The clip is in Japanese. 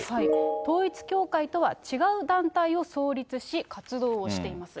統一教会とは違う団体を創立し、活動をしています。